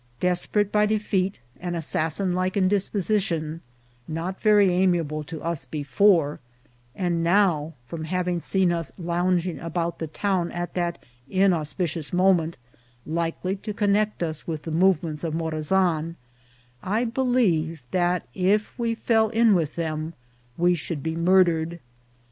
Desperate by defeat, and assassin like in disposition ; not very amiable to us before ; and now, from having seen us lounging about the town at that inauspicious moment, likely to connect us with the movements of Morazan, I believed that if we fell in with them we should be murdered.